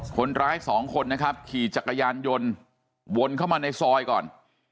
คนร้ายสองคนนะครับขี่จักรยานยนต์วนเข้ามาในซอยก่อน